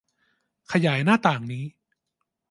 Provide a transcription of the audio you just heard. ขยายหน้าต่างนี้